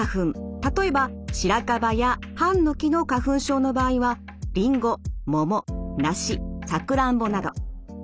例えばシラカバやハンノキの花粉症の場合はリンゴモモナシサクランボなど。